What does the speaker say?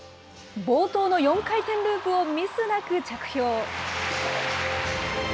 冒頭の４回転ループをミスなく着氷。